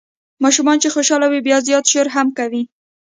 ماشومان چې خوشال وي بیا زیات شور هم کوي.